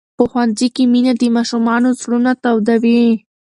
په ښوونځي کې مینه د ماشومانو زړونه تودوي.